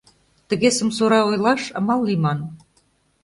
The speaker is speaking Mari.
Тыге сомсора ойлаш амал лийман!